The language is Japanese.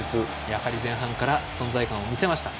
やはり、前半から存在感を見せました。